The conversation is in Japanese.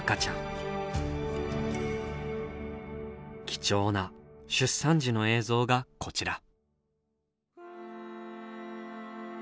貴重な出産時の映像がこちら。